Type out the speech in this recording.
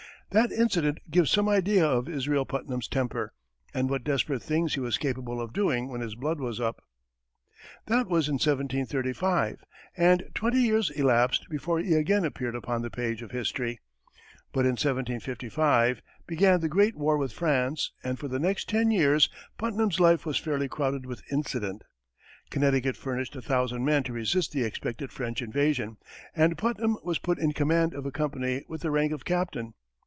That incident gives some idea of Israel Putnam's temper, and what desperate things he was capable of doing when his blood was up. That was in 1735, and twenty years elapsed before he again appeared upon the page of history. But in 1755 began the great war with France, and for the next ten years, Putnam's life was fairly crowded with incident. Connecticut furnished a thousand men to resist the expected French invasion, and Putnam was put in command of a company with the rank of captain.